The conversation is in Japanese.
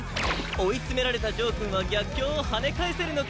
追い詰められたジョーくんは逆境を跳ね返せるのか？